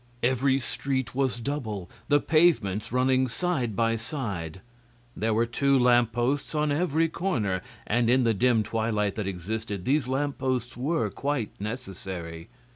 Every street was double, the pavements running side by side. There were two lamp posts on every corner, and in the dim twilight that existed these lamp posts were quite necessary.